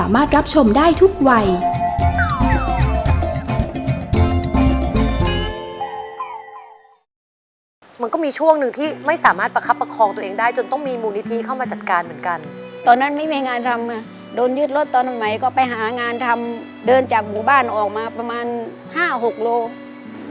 มันก็มีช่วงหนึ่งที่ไม่สามารถประคับประคองตัวเองได้จนต้องมีมูลิธีเข้ามาจัดการเหมือนกันตอนนั้นไม่มีงานทำมาโดนยืดรถตอนอื่นไหมก็ไปหางานทำเดินจากหมู่บ้านออกมาประมาณ๕๖โลบ